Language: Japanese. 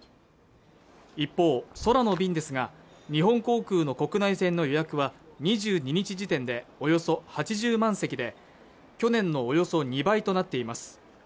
一方空の便ですが日本航空の国内線の予約は２２日時点でおよそ８０万席で去年のおよそ２倍となっています